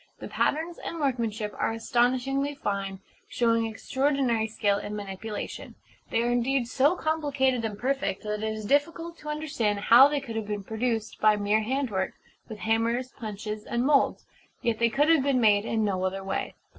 The patterns and workmanship are astonishingly fine, showing extraordinary skill in manipulation: they are indeed so complicated and perfect that it is difficult to understand how they could have been produced by mere handwork, with hammers, punches, and moulds. Yet they could have been made in no other way.